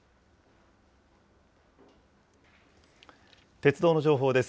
鉄道の情報です。